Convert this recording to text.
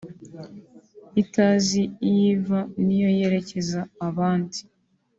itazi iyo iva n’iyo yerekeza abandi